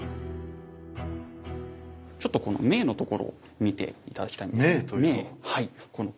ちょっとこの銘のところ見て頂きたいんですけど。